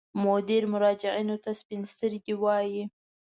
مدیر مراجعینو ته سپین سترګي وایي.